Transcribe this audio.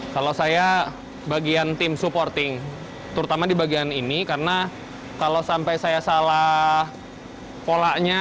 kalau saya bagian tim supporting terutama di bagian ini karena kalau sampai saya salah polanya